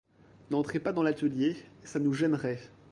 N'entrez pas dans l'atelier, ça nous gênerait.